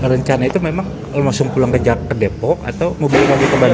rencana itu memang langsung pulang ke depok atau mau beli lagi ke bali